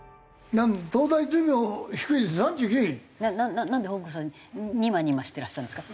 なんで本郷さんニマニマしていらっしゃるんですか？